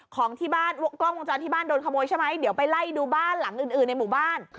ของที่บ้านกล้องวงจรที่บ้านโดนขโมยใช่ไหมเดี๋ยวไปไล่ดูบ้านหลังอื่นในหมู่บ้าน